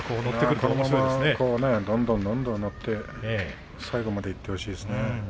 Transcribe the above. このままどんどんどんどんのって最後までいってほしいですね。